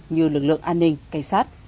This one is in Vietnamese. như lực lượng an ninh cây sát